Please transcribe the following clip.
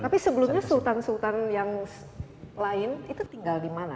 tapi sebelumnya sultan sultan yang lain itu tinggal di mana